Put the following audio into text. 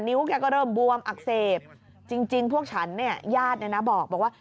แกก็เริ่มบวมอักเสบจริงพวกฉันเนี่ยญาติเนี่ยนะบอกว่า